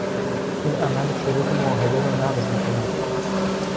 این عمل شروط معاهده رانقض میکند.